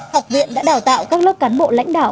học viện đã đào tạo các lớp cán bộ lãnh đạo